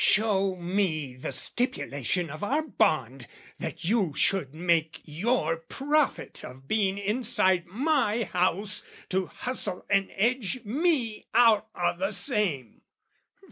"Show me the stipulation of our bond "That you should make your profit of being inside "My house, to hustle and edge me out o' the same.